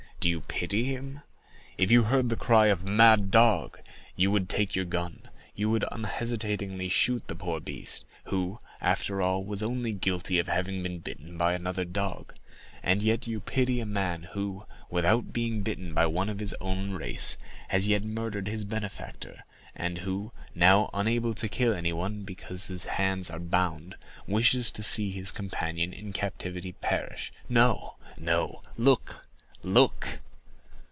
"Do you pity him? If you heard the cry of 'Mad dog!' you would take your gun—you would unhesitatingly shoot the poor beast, who, after all, was only guilty of having been bitten by another dog. And yet you pity a man who, without being bitten by one of his race, has yet murdered his benefactor; and who, now unable to kill anyone, because his hands are bound, wishes to see his companion in captivity perish. No, no—look, look!"